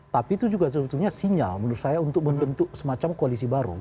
tapi itu juga sebetulnya sinyal menurut saya untuk membentuk semacam koalisi baru